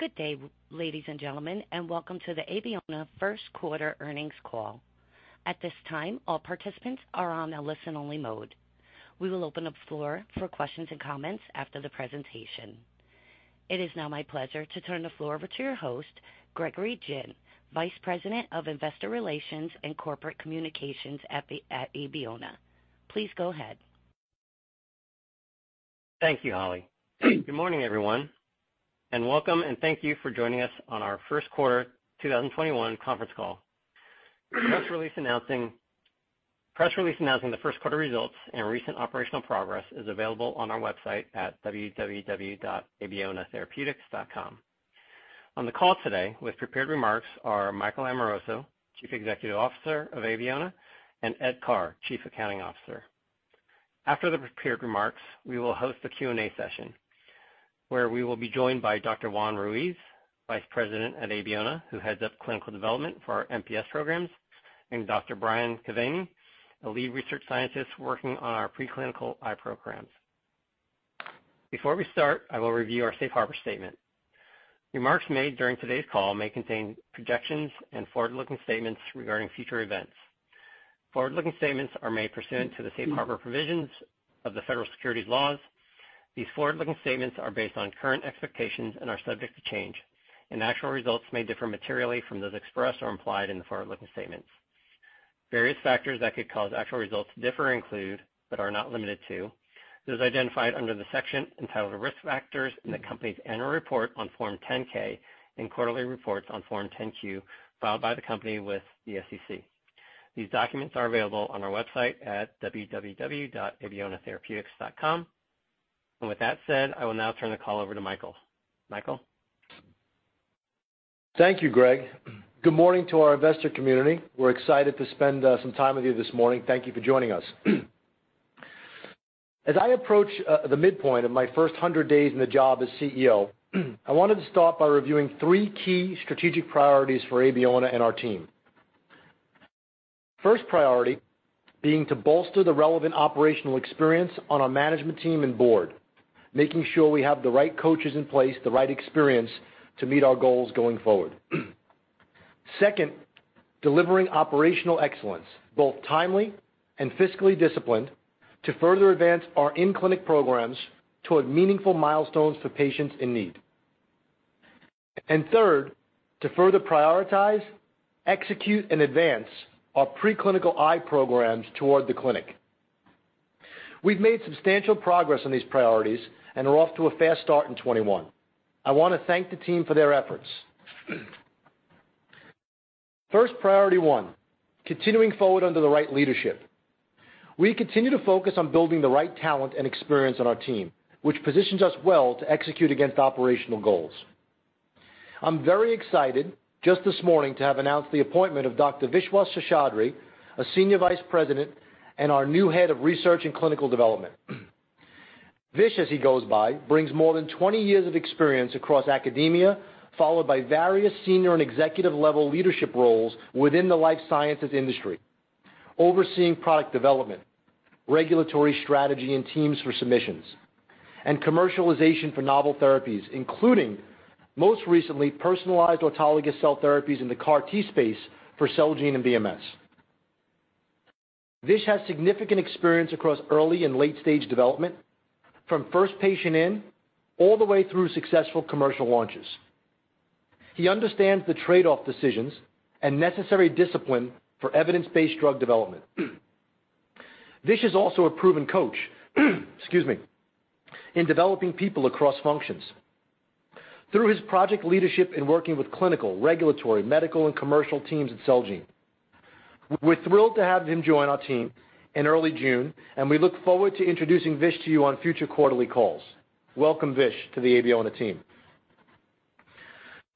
Good day, ladies and gentlemen, and welcome to the Abeona first quarter earnings call. At this time, all participants are on a listen-only mode. We will open up the floor for questions and comments after the presentation. It is now my pleasure to turn the floor over to your host, Gregory Gin, Vice President of Investor Relations and Corporate Communications at Abeona. Please go ahead. Thank you, Holly. Good morning, everyone, and welcome, and thank you for joining us on our first quarter 2021 conference call. The press release announcing the first quarter results and recent operational progress is available on our website at www.abeonatherapeutics.com. On the call today with prepared remarks are Michael Amoroso, Chief Executive Officer of Abeona, and Edward Carr, Chief Accounting Officer. After the prepared remarks, we will host a Q&A session where we will be joined by Dr. Juan Ruiz, Vice President at Abeona, who heads up clinical development for our MPS programs, and Dr. Brian Kevany, a Lead Research Scientist working on our preclinical eye programs. Before we start, I will review our safe harbor statement. Remarks made during today's call may contain projections and forward-looking statements regarding future events. Forward-looking statements are made pursuant to the safe harbor provisions of the federal securities laws. These forward-looking statements are based on current expectations and are subject to change, and actual results may differ materially from those expressed or implied in the forward-looking statements. Various factors that could cause actual results to differ include, but are not limited to, those identified under the section entitled Risk Factors in the company's annual report on Form 10-K and quarterly reports on Form 10-Q filed by the company with the SEC. These documents are available on our website at www.abeonatherapeutics.com. With that said, I will now turn the call over to Michael. Michael? Thank you, Greg. Good morning to our investor community. We're excited to spend some time with you this morning. Thank you for joining us. As I approach the midpoint of my first 100 days in the job as CEO, I wanted to start by reviewing three key strategic priorities for Abeona and our team. First priority being to bolster the relevant operational experience on our management team and board, making sure we have the right coaches in place, the right experience to meet our goals going forward. Second, delivering operational excellence, both timely and fiscally disciplined, to further advance our in-clinic programs toward meaningful milestones for patients in need. Third, to further prioritize, execute, and advance our preclinical eye programs toward the clinic. We've made substantial progress on these priorities and are off to a fast start in 2021. I want to thank the team for their efforts. First, priority one, continuing forward under the right leadership. We continue to focus on building the right talent and experience on our team, which positions us well to execute against operational goals. I'm very excited just this morning to have announced the appointment of Dr. Vishwas Seshadri, a Senior Vice President and our new Head of Research and Clinical Development. Vish, as he goes by, brings more than 20 years of experience across academia, followed by various senior and executive-level leadership roles within the life sciences industry, overseeing product development, regulatory strategy, and teams for submissions, and commercialization for novel therapies, including, most recently, personalized autologous cell therapies in the CAR T space for Celgene and BMS. Vish has significant experience across early and late-stage development from first patient in all the way through successful commercial launches. He understands the trade-off decisions and necessary discipline for evidence-based drug development. Vish is also a proven coach, excuse me, in developing people across functions through his project leadership in working with clinical, regulatory, medical, and commercial teams at Celgene. We're thrilled to have him join our team in early June, and we look forward to introducing Vish to you on future quarterly calls. Welcome, Vish, to the Abeona team.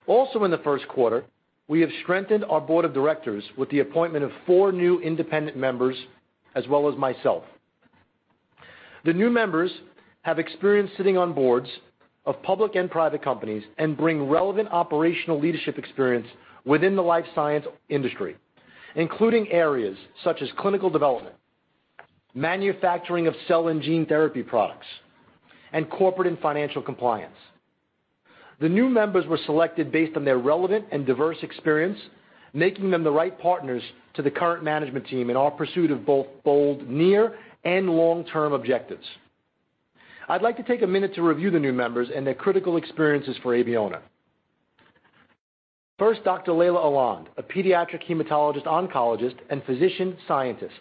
In the first quarter, we have strengthened our board of directors with the appointment of four new independent members, as well as myself. The new members have experience sitting on boards of public and private companies and bring relevant operational leadership experience within the life science industry, including areas such as clinical development, manufacturing of cell and gene therapy products, and corporate and financial compliance. The new members were selected based on their relevant and diverse experience, making them the right partners to the current management team in our pursuit of both bold near and long-term objectives. I'd like to take a minute to review the new members and their critical experiences for Abeona. First, Dr. Leila Alland, a pediatric hematologist oncologist, and physician scientist.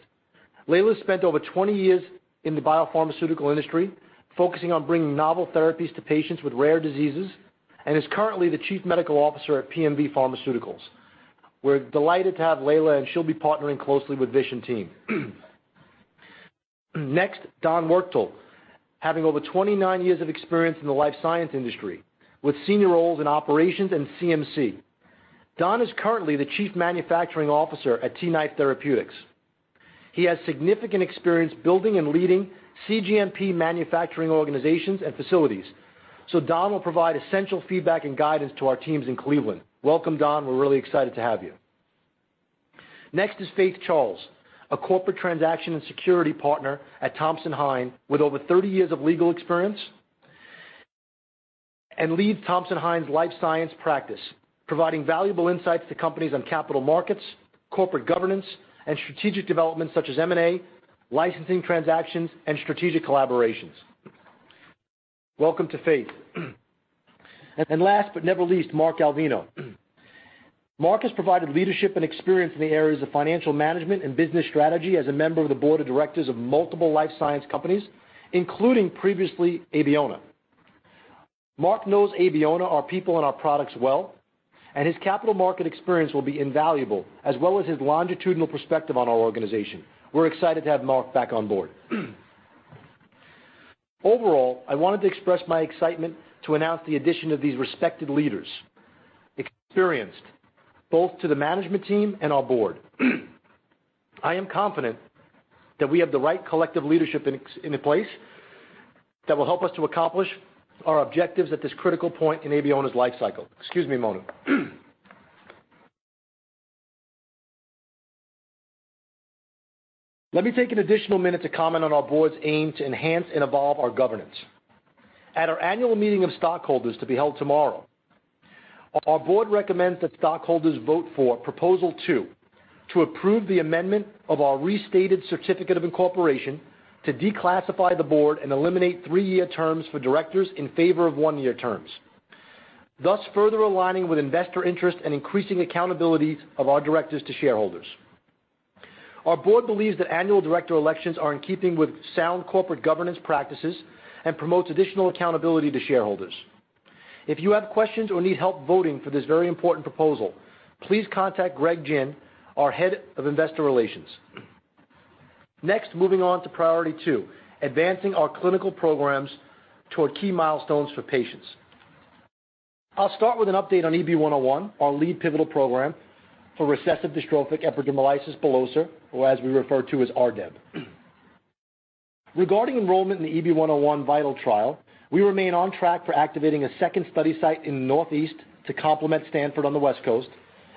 Leila spent over 20 years in the biopharmaceutical industry focusing on bringing novel therapies to patients with rare diseases and is currently the Chief Medical Officer at PMV Pharmaceuticals. We're delighted to have Leila, and she'll be partnering closely with Vish and team. Next, Donald Wuchterl, having over 29 years of experience in the life science industry with senior roles in operations and CMC. Donald is currently the Chief Manufacturing Officer at T-knife Therapeutics. He has significant experience building and leading cGMP manufacturing organizations and facilities. Don will provide essential feedback and guidance to our teams in Cleveland. Welcome, Don. We're really excited to have you. Next is Faith Charles, a corporate transaction and securities partner at Thompson Hine with over 30 years of legal experience, and leads Thompson Hine's life science practice, providing valuable insights to companies on capital markets, corporate governance, and strategic developments such as M&A, licensing transactions, and strategic collaborations. Welcome, Faith. Last but never least, Mark Alvino. Mark has provided leadership and experience in the areas of financial management and business strategy as a member of the Board of Directors of multiple life science companies, including previously Abeona. Mark knows Abeona, our people, and our products well, and his capital market experience will be invaluable, as well as his longitudinal perspective on our organization. We're excited to have Mark back on board. Overall, I wanted to express my excitement to announce the addition of these respected leaders, experienced both to the management team and our board. I am confident that we have the right collective leadership in place that will help us to accomplish our objectives at this critical point in Abeona's lifecycle. Excuse me a moment. Let me take an additional minute to comment on our board's aim to enhance and evolve our governance. At our annual meeting of stockholders to be held tomorrow, our board recommends that stockholders vote for Proposal two to approve the amendment of our restated certificate of incorporation to declassify the board and eliminate three-year terms for directors in favor of one-year terms, thus further aligning with investor interest and increasing accountability of our directors to shareholders. Our board believes that annual director elections are in keeping with sound corporate governance practices and promotes additional accountability to shareholders. If you have questions or need help voting for this very important proposal, please contact Greg Gin, our Head of Investor Relations. Moving on to Priority two, advancing our clinical programs toward key milestones for patients. I'll start with an update on EB-101, our lead pivotal program for recessive dystrophic epidermolysis bullosa, or as we refer to as RDEB. Regarding enrollment in the EB-101 VITAL trial, we remain on track for activating a second study site in the Northeast to complement Stanford on the West Coast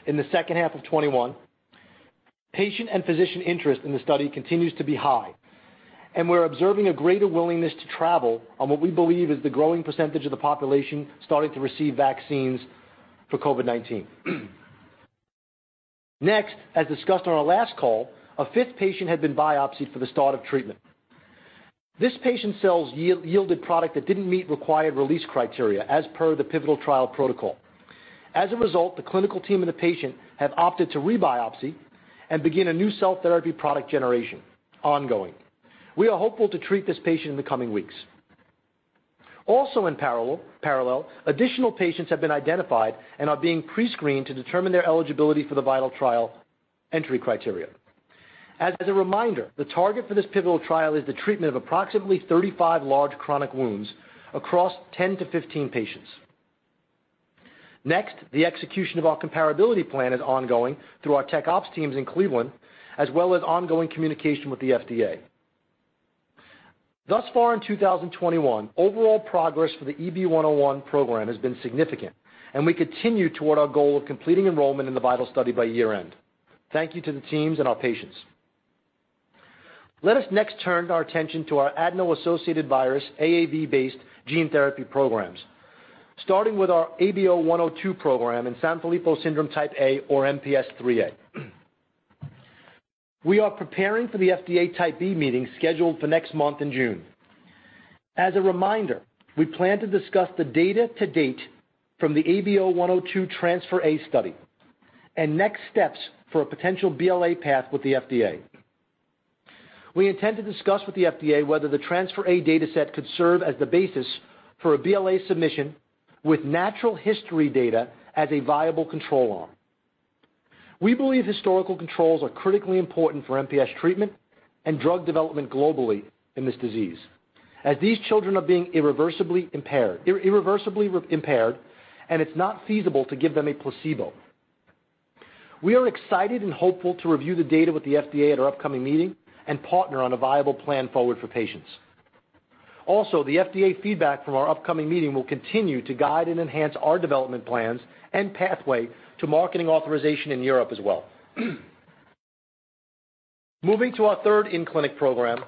in the second half of 2021. Patient and physician interest in the study continues to be high, we're observing a greater willingness to travel on what we believe is the growing percentage of the population starting to receive vaccines for COVID-19. As discussed on our last call, a fifth patient had been biopsied for the start of treatment. This patient's cells yielded product that didn't meet required release criteria as per the pivotal trial protocol. As a result, the clinical team and the patient have opted to rebiopsy and begin a new cell therapy product generation ongoing. We are hopeful to treat this patient in the coming weeks. In parallel, additional patients have been identified and are being pre-screened to determine their eligibility for the VITAL trial entry criteria. As a reminder, the target for this pivotal trial is the treatment of approximately 35 large chronic wounds across 10-15 patients. The execution of our comparability plan is ongoing through our tech ops teams in Cleveland, as well as ongoing communication with the FDA. Thus far in 2021, overall progress for the EB-101 program has been significant, and we continue toward our goal of completing enrollment in the VITAL study by year-end. Thank you to the teams and our patients. Let us next turn our attention to our adeno-associated virus, AAV-based gene therapy programs, starting with our ABO-102 program in Sanfilippo syndrome type A or MPS 3A. We are preparing for the FDA Type B meeting scheduled for next month in June. As a reminder, we plan to discuss the data to date from the ABO-102 Transpher A study and next steps for a potential BLA path with the FDA. We intend to discuss with the FDA whether the Transpher A data set could serve as the basis for a BLA submission with natural history data as a viable control arm. We believe historical controls are critically important for MPS treatment and drug development globally in this disease, as these children are being irreversibly impaired, and it's not feasible to give them a placebo. We are excited and hopeful to review the data with the FDA at our upcoming meeting and partner on a viable plan forward for patients. The FDA feedback from our upcoming meeting will continue to guide and enhance our development plans and pathway to marketing authorization in Europe as well. Moving to our third in-clinic program,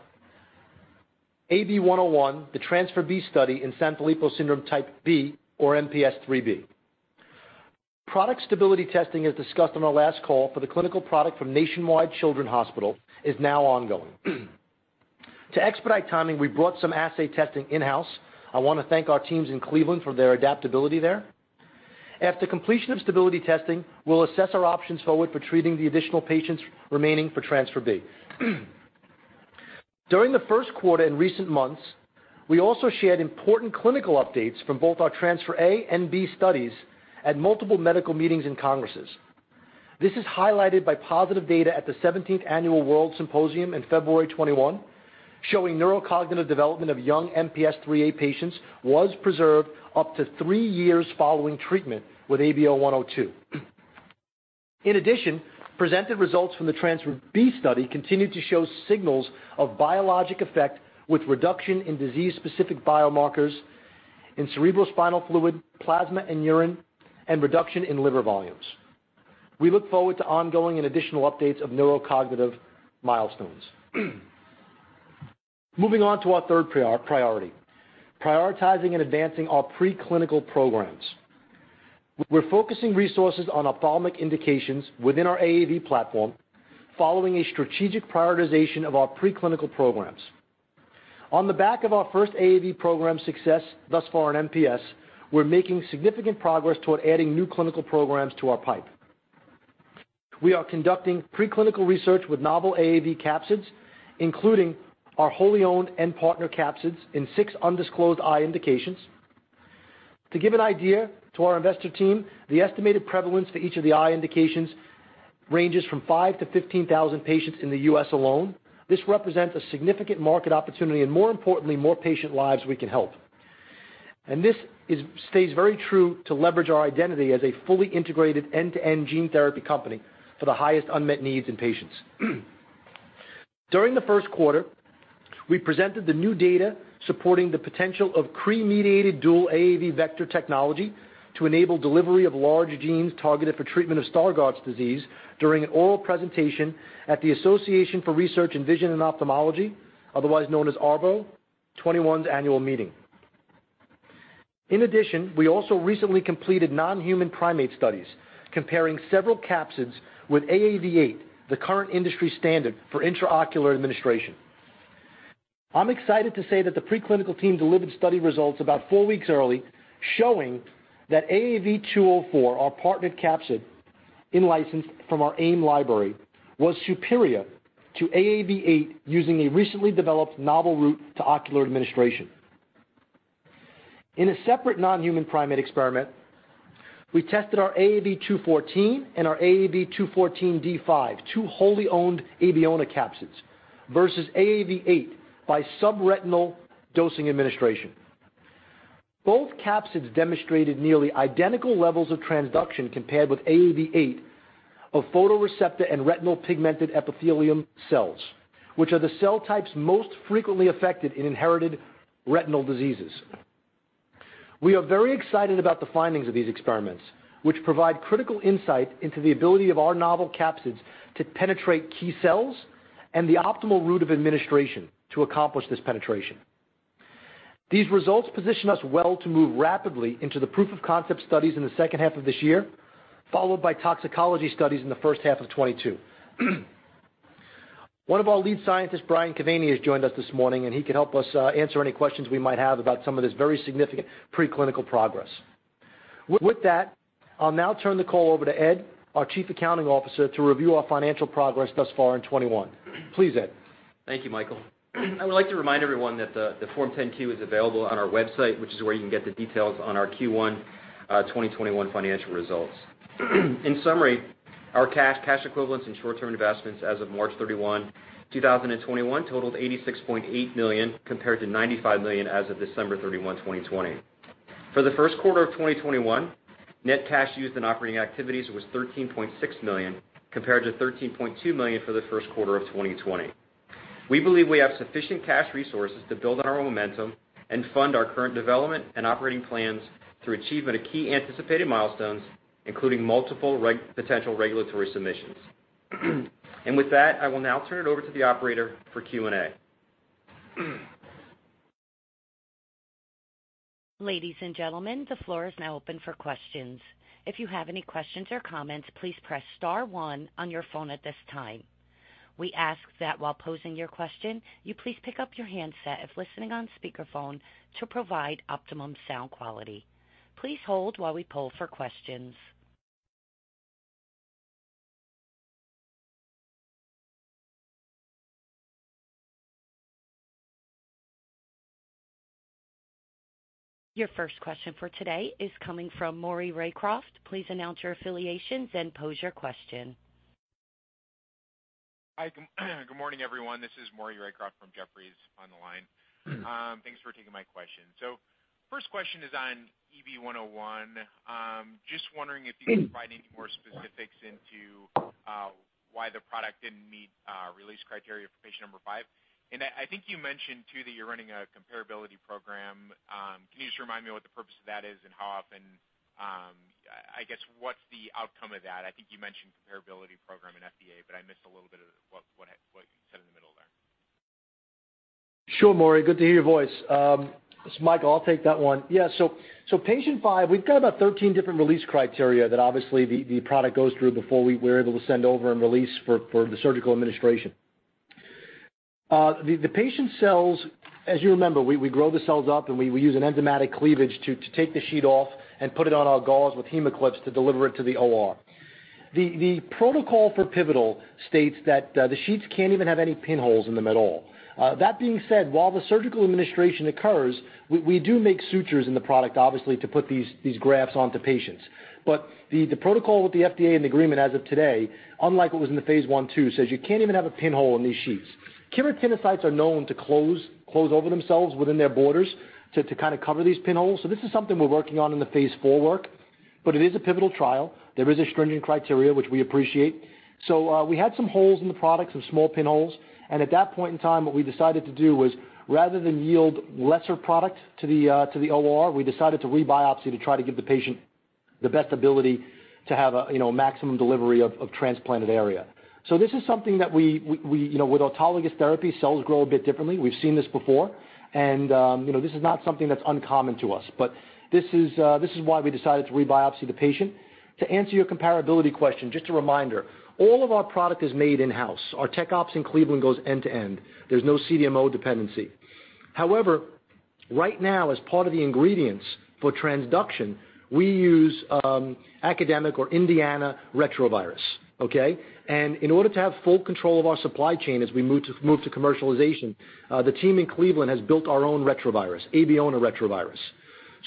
ABO-101, the Transpher B study in Sanfilippo syndrome type B, or MPS 3B. Product stability testing, as discussed on our last call for the clinical product from Nationwide Children's Hospital, is now ongoing. To expedite timing, we brought some assay testing in-house. I want to thank our teams in Cleveland for their adaptability there. After completion of stability testing, we'll assess our options forward for treating the additional patients remaining for Transpher B. During the first quarter in recent months, we also shared important clinical updates from both our Transpher A and B studies at multiple medical meetings and congresses. This is highlighted by positive data at the 17th Annual WORLDSymposium on February 21, showing neurocognitive development of young MPS IIIA patients was preserved up to three years following treatment with ABO-102. In addition, presented results from the Transpher B study continued to show signals of biologic effect with reduction in disease-specific biomarkers in cerebrospinal fluid, plasma, and urine, and reduction in liver volumes. We look forward to ongoing and additional updates of neurocognitive milestones. Moving on to our third priority, prioritizing and advancing our preclinical programs. We're focusing resources on ophthalmic indications within our AAV platform following a strategic prioritization of our preclinical programs. On the back of our first AAV program success thus far in MPS, we're making significant progress toward adding new clinical programs to our pipe. We are conducting preclinical research with novel AAV capsids, including our wholly owned and partner capsids in six undisclosed eye indications. To give an idea to our investor team, the estimated prevalence for each of the eye indications ranges from five to 15,000 patients in the U.S. alone. This represents a significant market opportunity and, more importantly, more patient lives we can help. This stays very true to leverage our identity as a fully integrated end-to-end gene therapy company for the highest unmet needs in patients. During the first quarter, we presented the new data supporting the potential of Cre mediated dual AAV vector technology to enable delivery of large genes targeted for treatment of Stargardt disease during oral presentation at the Association for Research in Vision and Ophthalmology, otherwise known as ARVO 21 annual meeting. In addition, we also recently completed non-human primate studies comparing several capsids with AAV8, the current industry standard for intraocular administration. I'm excited to say that the preclinical team delivered study results about four weeks early, showing that AAV204, our partner capsid in license from our AIM library, was superior to AAV8 using a recently developed novel route to ocular administration. In a separate non-human primate experiment, we tested our AAV214 and our AAV214D5, two wholly owned Abeona capsids versus AAV8 by subretinal dosing administration. Both capsids demonstrated nearly identical levels of transduction compared with AAV8 of photoreceptor and retinal pigment epithelium cells, which are the cell types most frequently affected in inherited retinal diseases. We are very excited about the findings of these experiments, which provide critical insight into the ability of our novel capsids to penetrate key cells and the optimal route of administration to accomplish this penetration. These results position us well to move rapidly into the proof of concept studies in the second half of this year, followed by toxicology studies in the first half of 2022. One of our lead scientists, Brian Kevany, has joined us this morning, and he can help us answer any questions we might have about some of this very significant preclinical progress. With that, I'll now turn the call over to Ed, our Chief Accounting Officer, to review our financial progress thus far in 2021. Please, Ed. Thank you, Michael. I would like to remind everyone that the Form 10-Q is available on our website, which is where you can get the details on our Q1 2021 financial results. In summary, our cash equivalents, and short-term investments as of March 31, 2021, totaled $86.8 million, compared to $95 million as of December 31, 2020. For the first quarter of 2021, net cash used in operating activities was $13.6 million, compared to $13.2 million for the first quarter of 2020. We believe we have sufficient cash resources to build on our momentum and fund our current development and operating plans through achievement of key anticipated milestones, including multiple potential regulatory submissions. With that, I will now turn it over to the operator for Q&A. Ladies and gentlemen, the floor is now open for questions. If you have any questions or comments, please press star one on your phone at this time. We ask that while posing your question, you please pick up your handset if listening on speakerphone to provide optimum sound quality. Your first question for today is coming from Maury Raycroft. Please announce your affiliations and pose your question. Hi. Good morning, everyone. This is Maury Raycroft from Jefferies on the line. Thanks for taking my question. First question is on EB-101. Just wondering if you can provide any more specifics into why the product didn't meet release criteria for patient five. I think you mentioned, too, that you're running a comparability program. Can you just remind me what the purpose of that is and how often, I guess, what's the outcome of that? I think you mentioned comparability program and FDA, but I missed a little bit of what you said in the middle there. Sure, Maury. Good to hear your voice. Michael, I'll take that one. Patient five, we've got about 13 different release criteria that obviously the product goes through before we're able to send over and release for the surgical administration. The patient cells, as you remember, we grow the cells up and we use an enzymatic cleavage to take the sheet off and put it on our gauze with Hem-o-lok clips to deliver it to the OR. The protocol for pivotal states that the sheets can't even have any pinholes in them at all. That being said, while the surgical administration occurs, we do make sutures in the product, obviously, to put these grafts onto patients. The protocol with the FDA and agreement as of today, unlike what was in the phase I/II, says you can't even have a pinhole in these sheets. Keratinocytes are known to close over themselves within their borders to kind of cover these pinholes. This is something we're working on in the phase IV work. It is a pivotal trial. There is a stringent criteria, which we appreciate. We had some holes in the product, some small pinholes, and at that point in time, what we decided to do was, rather than yield lesser product to the OR, we decided to re-biopsy to try to give the patient the best ability to have a maximum delivery of transplanted area. This is something that with autologous therapy, cells grow a bit differently. We've seen this before. This is not something that's uncommon to us. This is why we decided to re-biopsy the patient. To answer your comparability question, just a reminder, all of our product is made in-house. Our tech ops in Cleveland goes end to end. There's no CDMO dependency. Right now, as part of the ingredients for transduction, we use academic or Indiana retrovirus. Okay? In order to have full control of our supply chain as we move to commercialization, the team in Cleveland has built our own retrovirus, Abeona retrovirus.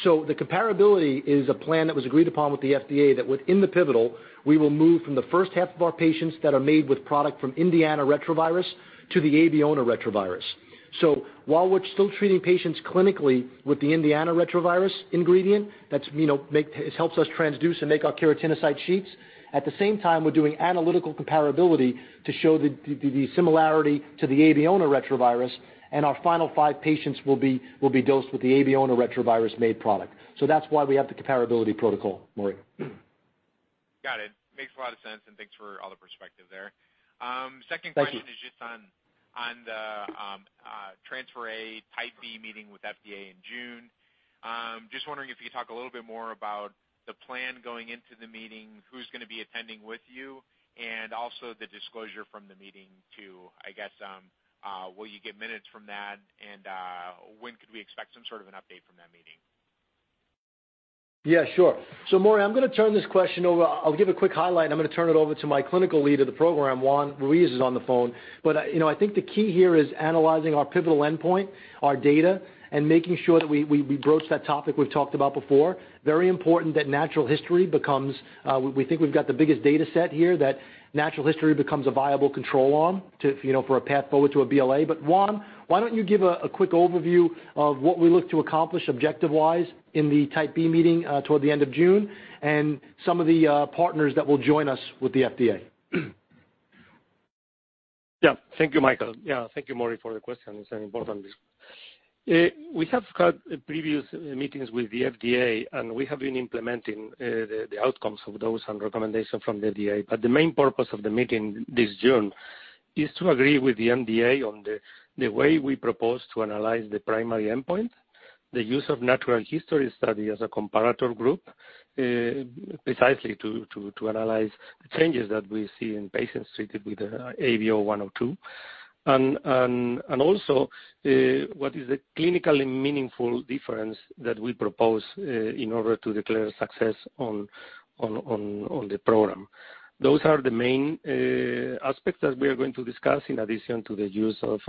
The comparability is a plan that was agreed upon with the FDA that within the pivotal, we will move from the first half of our patients that are made with product from Indiana retrovirus to the Abeona retrovirus. While we're still treating patients clinically with the Indiana retrovirus ingredient, that helps us transduce and make our keratinocyte sheets. At the same time, we're doing analytical comparability to show the similarity to the Abeona retrovirus, and our final five patients will be dosed with the Abeona retrovirus-made product. That's why we have the comparability protocol, Maury. Got it. Makes a lot of sense. Thanks for all the perspective there. Thank you. Second question is just on the Transpher A Type B meeting with FDA in June. Just wondering if you could talk a little bit more about the plan going into the meeting, who's going to be attending with you, also the disclosure from the meeting, too. I guess, will you get minutes from that, and when could we expect some sort of an update from that meeting? Maury, I'm going to turn this question over. I'll give a quick highlight, and I'm going to turn it over to my clinical lead of the program. Juan Ruiz is on the phone. I think the key here is analyzing our pivotal endpoint, our data, and making sure that we broach that topic we've talked about before. We think we've got the biggest data set here, that natural history becomes a viable control arm for a path forward to a BLA. Juan, why don't you give a quick overview of what we look to accomplish objective-wise in the Type B meeting toward the end of June and some of the partners that will join us with the FDA? Thank you, Michael. Thank you, Maury, for the question. It's an important one. We have had previous meetings with the FDA, and we have been implementing the outcomes of those and recommendation from the FDA. The main purpose of the meeting this June is to agree with the FDA on the way we propose to analyze the primary endpoint, the use of natural history study as a comparator group, precisely to analyze the changes that we see in patients treated with the ABO-102, and also, what is the clinically meaningful difference that we propose in order to declare success on the program. Those are the main aspects that we are going to discuss in addition to the use of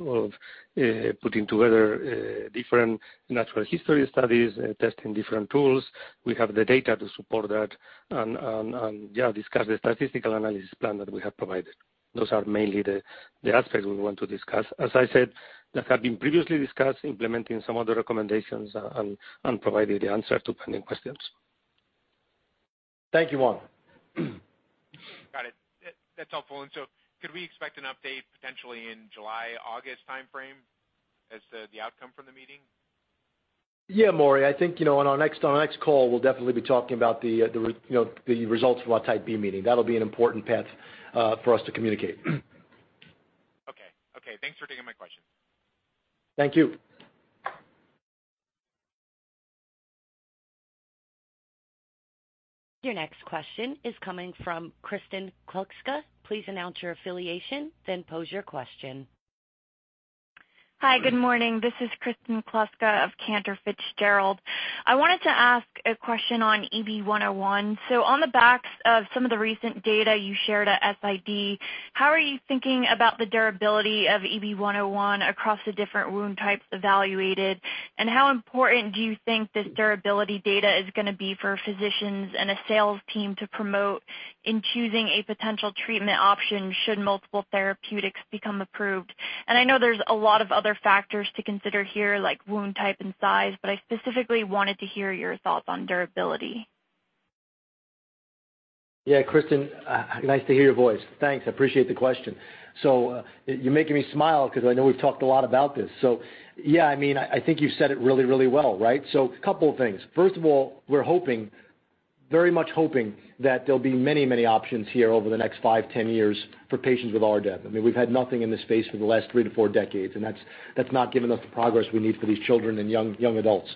putting together different natural history studies, testing different tools. We have the data to support that and discuss the statistical analysis plan that we have provided. Those are mainly the aspects we want to discuss. As I said, that had been previously discussed, implementing some of the recommendations and providing the answer to pending questions. Thank you, Juan. Got it. That's helpful. Could we expect an update potentially in July, August timeframe as the outcome from the meeting? Yeah, Maury. I think, on our next call, we'll definitely be talking about the results from our Type B meeting. That'll be an important path for us to communicate. Okay. Thanks for taking my question. Thank you. Your next question is coming from Kristen Kluska. Please announce your affiliation, then pose your question. Hi. Good morning. This is Kristen Kluska of Cantor Fitzgerald. I wanted to ask a question on EB-101. On the backs of some of the recent data you shared at SID, how are you thinking about the durability of EB-101 across the different wound types evaluated? How important do you think this durability data is going to be for physicians and a sales team to promote in choosing a potential treatment option should multiple therapeutics become approved? I know there's a lot of other factors to consider here, like wound type and size, but I specifically wanted to hear your thoughts on durability. Kristen, nice to hear your voice. Thanks, I appreciate the question. You're making me smile because I know we've talked a lot about this. I think you said it really well, right? A couple of things. First of all, we're hoping, very much hoping, that there'll be many options here over the next 5, 10 years for patients with RDEB. We've had nothing in this space for the last three to four decades, that's not given us the progress we need for these children and young adults.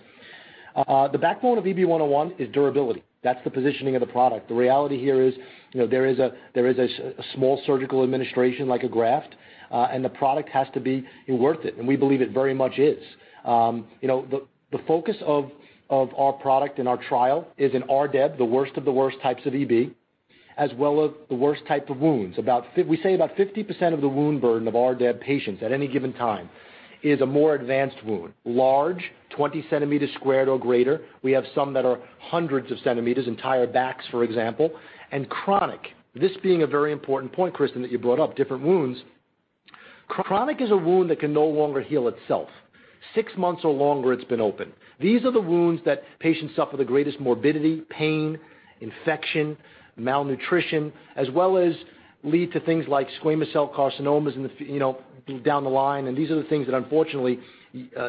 The backbone of EB-101 is durability. That's the positioning of the product. The reality here is there is a small surgical administration, like a graft, the product has to be worth it, we believe it very much is. The focus of our product and our trial is in RDEB, the worst of the worst types of EB, as well as the worst type of wounds. We say about 50% of the wound burden of RDEB patients at any given time is a more advanced wound. Large, 20 centimeters squared or greater. We have some that are hundreds of centimeters, entire backs, for example, and chronic. This being a very important point, Kristen, that you brought up. Chronic is a wound that can no longer heal itself. Six months or longer it's been open. These are the wounds that patients suffer the greatest morbidity, pain, infection, malnutrition, as well as lead to things like squamous cell carcinomas down the line. These are the things that unfortunately,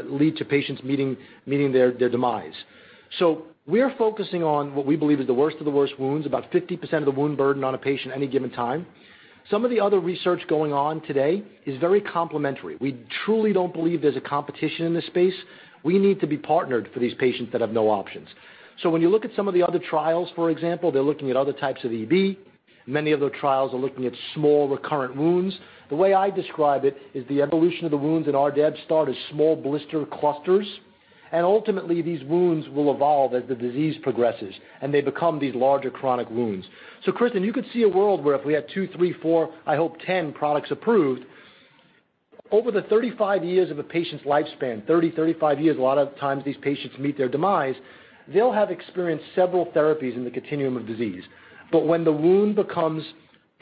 lead to patients meeting their demise. We're focusing on what we believe is the worst of the worst wounds, about 50% of the wound burden on a patient any given time. Some of the other research going on today is very complementary. We truly don't believe there's a competition in this space. We need to be partnered for these patients that have no options. When you look at some of the other trials, for example, they're looking at other types of EB. Many of their trials are looking at small recurrent wounds. The way I describe it is the evolution of the wounds in RDEB start as small blister clusters, and ultimately these wounds will evolve as the disease progresses, and they become these larger chronic wounds. Kristen, you could see a world where if we had two, three, four, I hope 10 products approved, over the 35 years of a patient's lifespan, 30, 35 years, a lot of times these patients meet their demise. They'll have experienced several therapies in the continuum of disease. When the wound becomes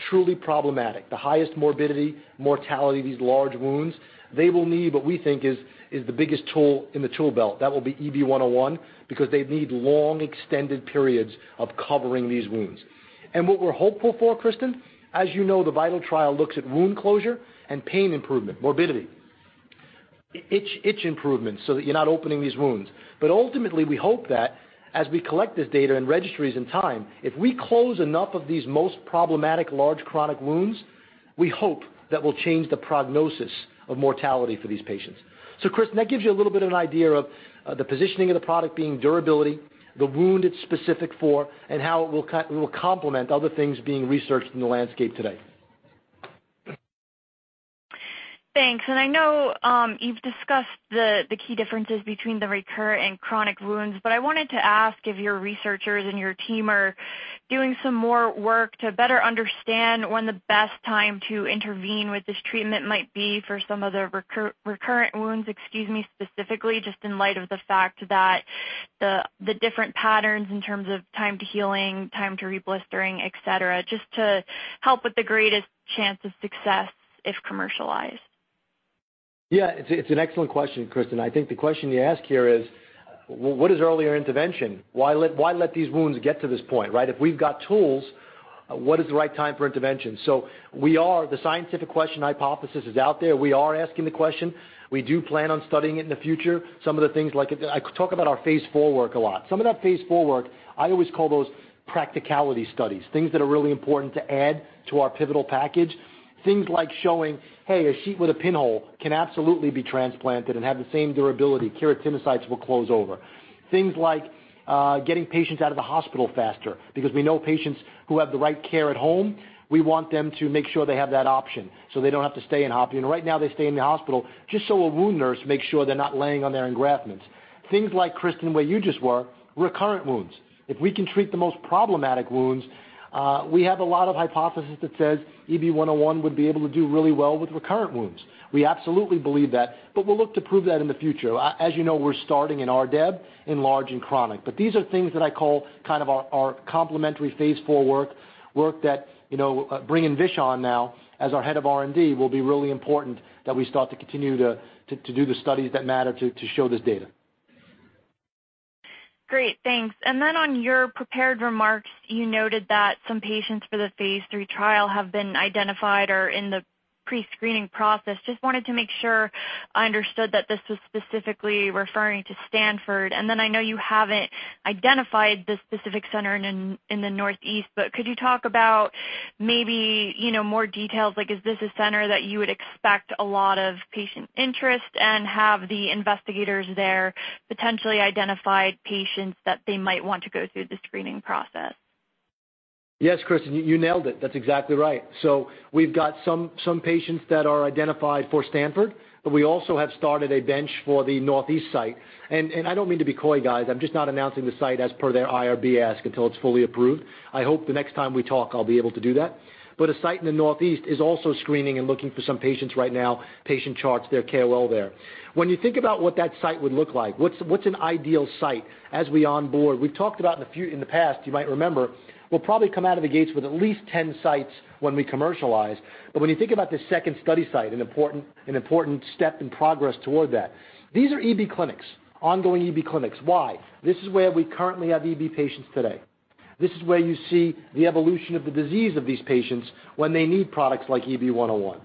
truly problematic, the highest morbidity, mortality, these large wounds, they will need what we think is the biggest tool in the tool belt. That will be EB-101 because they need long extended periods of covering these wounds. What we're hopeful for, Kristen, as you know, the VITAL trial looks at wound closure and pain improvement, morbidity, itch improvements, so that you're not opening these wounds. Ultimately, we hope that as we collect this data and registries in time, if we close enough of these most problematic, large chronic wounds, we hope that will change the prognosis of mortality for these patients. Kristen, that gives you a little bit of an idea of the positioning of the product being durability, the wound it's specific for, and how it will complement other things being researched in the landscape today. Thanks. I know, you've discussed the key differences between the recurrent and chronic wounds, but I wanted to ask if your researchers and your team are doing some more work to better understand when the best time to intervene with this treatment might be for some of the recurrent wounds, excuse me, specifically, just in light of the fact that the different patterns in terms of time to healing, time to re-blistering, et cetera, just to help with the greatest chance of success if commercialized. Yeah. It's an excellent question, Kristen. I think the question you ask here is, what is earlier intervention? Why let these wounds get to this point, right? If we've got tools, what is the right time for intervention? The scientific question hypothesis is out there. We are asking the question. We do plan on studying it in the future. Some of the things I talk about our phase IV work a lot. Some of that phase IV work, I always call those practicality studies, things that are really important to add to our pivotal package. Things like showing, hey, a sheet with a pinhole can absolutely be transplanted and have the same durability. Keratinocytes will close over. Things like getting patients out of the hospital faster because we know patients who have the right care at home, we want them to make sure they have that option, so they don't have to stay in hospital. Right now, they stay in the hospital just so a wound nurse makes sure they're not laying on their engraftments. Things like, Kristen, what you just were, recurrent wounds. If we can treat the most problematic wounds, we have a lot of hypothesis that says EB-101 would be able to do really well with recurrent wounds. We absolutely believe that. We'll look to prove that in the future. As you know, we're starting in RDEB, in large and chronic. These are things that I call our complementary phase IV work that bringing Vish on now as our Head of R&D will be really important that we start to continue to do the studies that matter to show this data. Great, thanks. On your prepared remarks, you noted that some patients for the phase III trial have been identified or are in the pre-screening process. Just wanted to make sure I understood that this was specifically referring to Stanford. I know you haven't identified the specific center in the Northeast, but could you talk about maybe more details, like is this a center that you would expect a lot of patient interest and have the investigators there potentially identified patients that they might want to go through the screening process? Yes, Kristen, you nailed it. That's exactly right. We've got some patients that are identified for Sanfilippo, but we also have started a bench for the Northeast site. I don't mean to be coy, guys. I'm just not announcing the site as per their IRB ask until it's fully approved. I hope the next time we talk, I'll be able to do that. A site in the Northeast is also screening and looking for some patients right now, patient charts, their KOL there. When you think about what that site would look like, what's an ideal site as we onboard? We've talked about in the past, you might remember, we'll probably come out of the gates with at least 10 sites when we commercialize. When you think about this second study site, an important step in progress toward that. These are EB clinics, ongoing EB clinics. Why? This is where we currently have EB patients today. This is where you see the evolution of the disease of these patients when they need products like EB-101.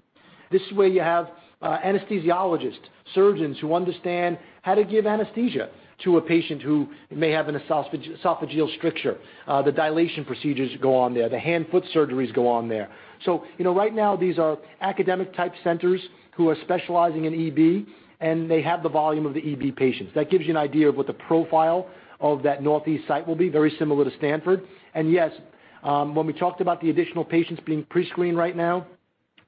This is where you have anesthesiologists, surgeons who understand how to give anesthesia to a patient who may have an esophageal stricture. The dilation procedures go on there. The hand-foot surgeries go on there. Right now, these are academic type centers who are specializing in EB, and they have the volume of the EB patients. That gives you an idea of what the profile of that Northeast site will be, very similar to Stanford. Yes, when we talked about the additional patients being pre-screened right now,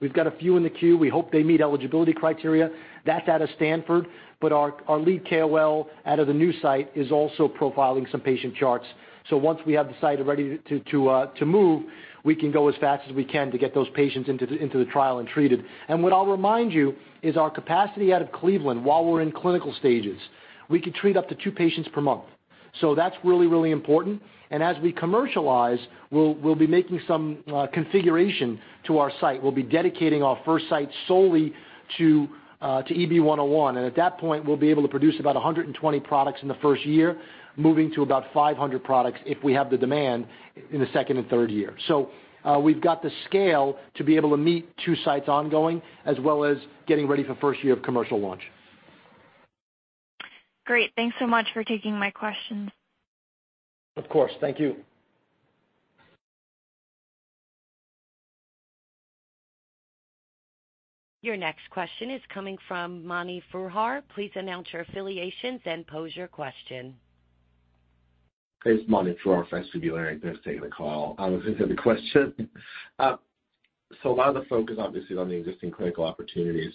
we've got a few in the queue. We hope they meet eligibility criteria. That's out of Stanford, our lead KOL out of the new site is also profiling some patient charts. Once we have the site ready to move, we can go as fast as we can to get those patients into the trial and treated. What I'll remind you is our capacity out of Cleveland while we're in clinical stages, we can treat up to two patients per month. That's really, really important. As we commercialize, we'll be making some configuration to our site. We'll be dedicating our first site solely to EB-101, and at that point, we'll be able to produce about 120 products in the first year, moving to about 500 products if we have the demand in the second and third year. We've got the scale to be able to meet two sites ongoing, as well as getting ready for first year of commercial launch. Great. Thanks so much for taking my question. Of course. Thank you. Your next question is coming from Mani Foroohar. Please announce your affiliations, then pose your question. This is Mani Foroohar from SVB Leerink. Thanks for taking the call. A lot of the focus, obviously, on the existing clinical opportunities.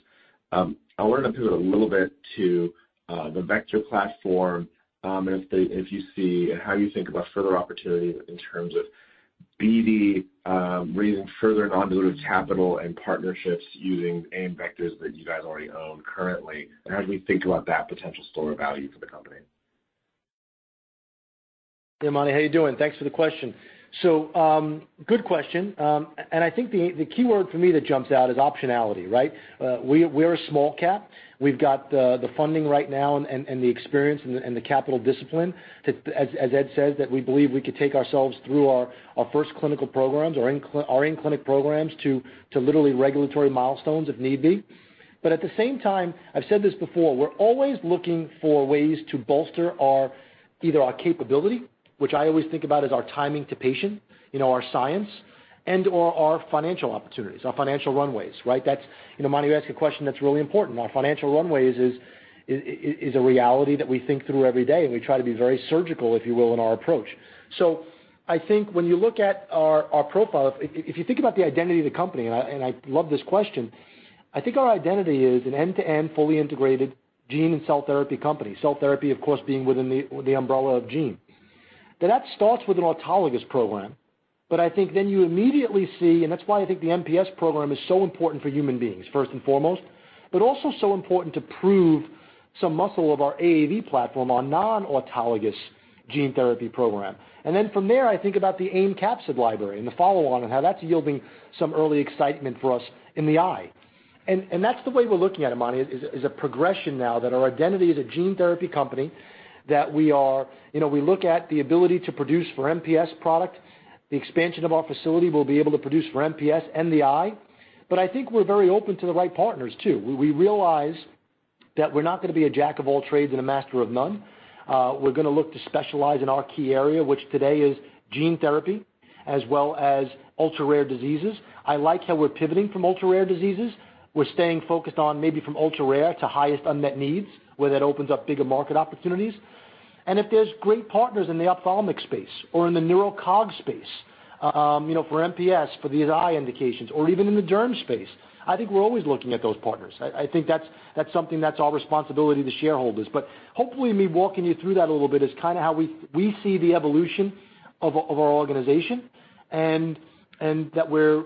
I want to go through a little bit to the vector platform, if you see, how you think about further opportunities in terms of BD raising further dilutive capital and partnerships using AAV vectors that you guys already own currently, and how do we think about that potential store value for the company? Hey, Mani, how you doing? Thanks for the question. Good question. I think the keyword for me that jumps out is optionality, right? We're a small cap. We've got the funding right now and the experience and the capital discipline that, as Ed says, that we believe we can take ourselves through our first clinical programs, our end clinic programs, to literally regulatory milestones if need be. At the same time, I've said this before, we're always looking for ways to bolster our capability, which I always think about as our timing to patient, our science and/or our financial opportunities, our financial runways, right? Mani, that's a question that's really important. Our financial runways is a reality that we think through every day, we try to be very surgical, if you will, in our approach. I think when you look at our profile, if you think about the identity of the company, and I love this question, I think our identity is an end-to-end, fully integrated gene and cell therapy company. Cell therapy, of course, being within the umbrella of gene. That starts with an autologous program. I think then you immediately see, and that's why I think the MPS program is so important for human beings, first and foremost, but also so important to prove some muscle of our AAV platform, our non-autologous gene therapy program. then from there, I think about the AAV capsid library and the follow-on and how that's yielding some early excitement for us in the eye. That's the way we're looking at it, Mani, is a progression now that our identity is a gene therapy company, that we look at the ability to produce for MPS product, the expansion of our facility, we'll be able to produce for MPS and the eye. I think we're very open to the right partners, too. We realize that we're not going to be a jack of all trades and a master of none. We're going to look to specialize in our key area, which today is gene therapy, as well as ultra-rare diseases. I like how we're pivoting from ultra-rare diseases. We're staying focused on maybe from ultra-rare to highest unmet needs, where that opens up bigger market opportunities. If there's great partners in the ophthalmic space or in the neurocog space, for MPS, for these eye indications or even in the germ space, I think we're always looking at those partners. I think that's something that's our responsibility to shareholders. Hopefully me walking you through that a little bit is kind of how we see the evolution of our organization and that we're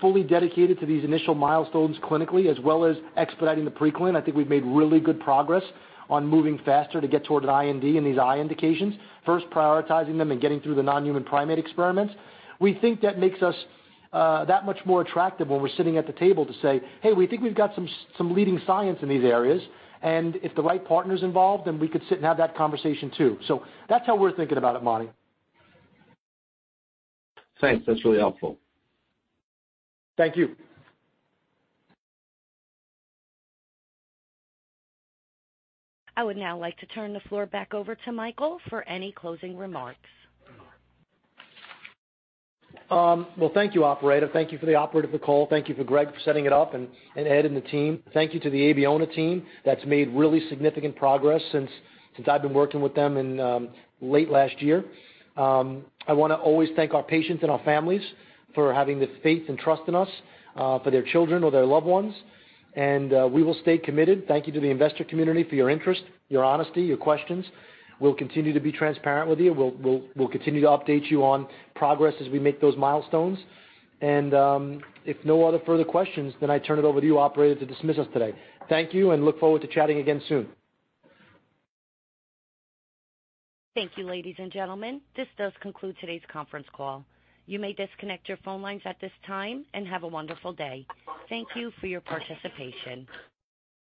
fully dedicated to these initial milestones clinically as well as expediting the pre-clinic. I think we've made really good progress on moving faster to get towards IND and these eye indications, first prioritizing them and getting through the non-human primate experiments. We think that makes us that much more attractive when we're sitting at the table to say, "Hey, we think we've got some leading science in these areas, and if the right partner's involved, then we could sit and have that conversation, too." That's how we're thinking about it, Mani. Thanks. That's really helpful. Thank you. I would now like to turn the floor back over to Michael for any closing remarks. Well, thank you, operator. Thank you for the operator for the call. Thank you to Greg for setting it up and Ed and the team. Thank you to the Abeona team that's made really significant progress since I've been working with them in late last year. I want to always thank our patients and our families for having the faith and trust in us for their children or their loved ones. We will stay committed. Thank you to the investor community for your interest, your honesty, your questions. We'll continue to be transparent with you. We'll continue to update you on progress as we make those milestones. If no other further questions, then I turn it over to you, operator, to dismiss us today. Thank you. Look forward to chatting again soon. Thank you, ladies and gentlemen. This does conclude today's conference call. You may disconnect your phone lines at this time, and have a wonderful day. Thank you for your participation.